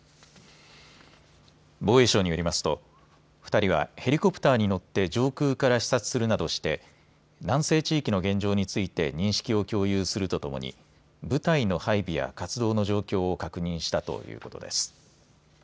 防衛省によりますと２人はヘリコプターに乗って上空から視察するなどして南西地域の現状について認識を共有するとともに部隊の配備や活動の状況を確認したということです。